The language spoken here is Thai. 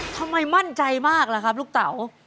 ทำไมมั่นใจมากล่ะครับลูกเต๋า